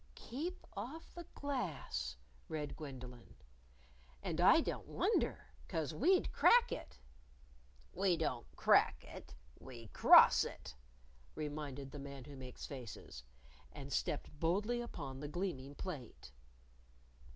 _ "'Keep off the glass,'" read Gwendolyn. "And I don't wonder. 'Cause we'd crack it." "We don't crack it, we cross it," reminded the Man Who Makes Faces. And stepped boldly upon the gleaming plate.